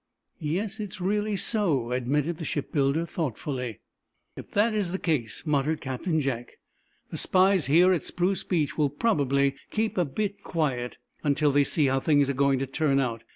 "Yes; it's really so," admitted the shipbuilder, thoughtfully. "If that is the case," muttered Captain Jack, "the spies here at Spruce Beach will probably keep a bit quiet until they see how things are going to turn out.